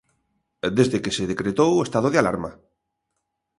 Desde que se decretou o estado de alarma.